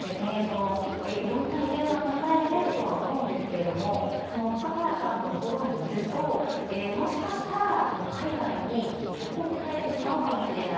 色んな理由が考えられるとは思うんですが福原さんのところにいるともしかしたら海外に出国されてしまうかもしれない。